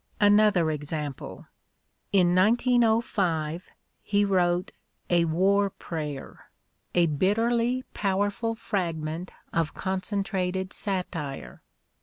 Another example. In 1905 he wrote a ""War Prayer," a bitterly powerful fragment of concentrated satire.